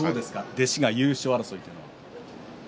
弟子が優勝争いというのは。